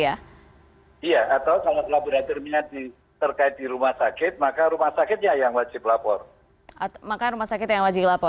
iya atau kalau laboratoriumnya terkait di rumah sakit maka rumah sakitnya yang wajib lapor